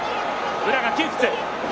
宇良が窮屈。